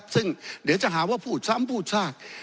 ซึ่งเดี๋ยวจะหาว่าพูดซ้ำพูดซาก